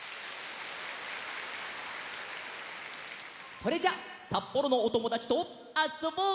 それじゃさっぽろのおともだちとあっそぼう！